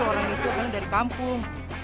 itu orang itu soalnya dari kampung